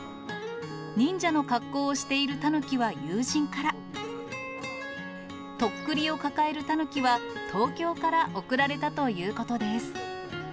忍者の格好をしているタヌキは友人から、とっくりを抱えるタヌキは東京から贈られたということです。